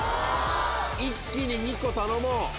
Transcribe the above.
一気に２個頼もう！